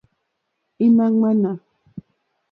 Ímá ŋmánà.